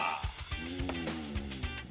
うん。